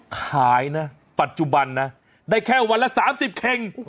ขายนะปัจจุบันนะได้แค่วันละ๓๐เข่ง